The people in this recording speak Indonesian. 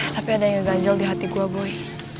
tapi ada yang ngeganjel di hati gue boy